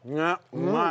うまい。